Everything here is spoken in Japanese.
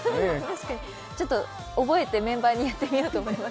覚えてメンバーでやってみようと思います。